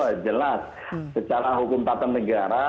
oh jelas secara hukum tatan negara